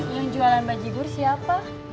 yang jualan baji gur siapa